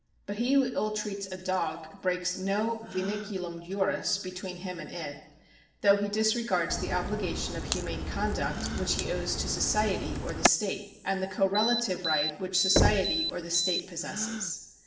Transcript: But he who ill treats a dog breaks no vinculum juris between him and it, though he disregards the obligation of humane conduct which he owes to society or the state, and the correlative right which society or the state possesses.